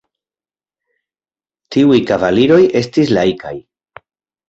Tiuj kavaliroj estis laikaj.